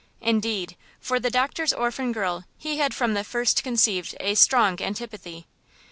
Indeed, for the doctor's orphan girl he had from the first conceived a strong antipathy.